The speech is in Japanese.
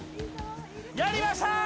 やりましたー！